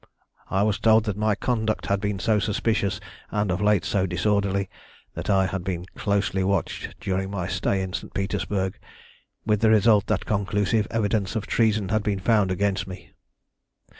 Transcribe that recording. "I was told that my conduct had been so suspicious and of late so disorderly, that I had been closely watched during my stay in St. Petersburg, with the result that conclusive evidence of treason had been found against me.